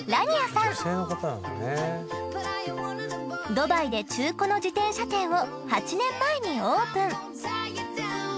ドバイで中古の自転車店を８年前にオープン。